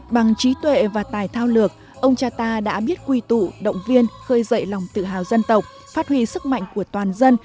bằng trí tuệ và tài thao lược ông cha ta đã biết quy tụ động viên khơi dậy lòng tự hào dân tộc phát huy sức mạnh của toàn dân